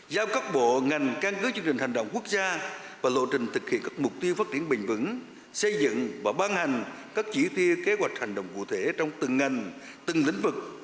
giao các bộ ngành căn cứ chương trình hành động quốc gia và lộ trình thực hiện các mục tiêu phát triển bình vững xây dựng và ban hành các chỉ tiêu kế hoạch hành động cụ thể trong từng ngành từng lĩnh vực